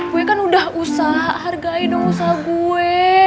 gue kan udah usah hargai dong usaha gue